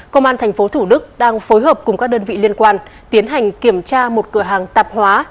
công an tp thủ đức đang phối hợp cùng các đơn vị liên quan tiến hành kiểm tra một cửa hàng tạp hóa